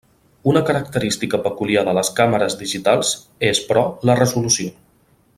Una característica peculiar de les càmeres digitals és, però, la resolució.